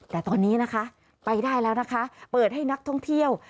แต่ตอนนี้นะคะไปได้แล้วนะคะเปิดให้นักท่องเที่ยว